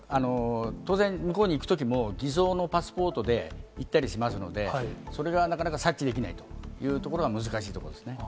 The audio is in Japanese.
当然、向こうに行くときも、偽造のパスポートで行ったりしますので、それがなかなか察知できないというところが難しいところですね。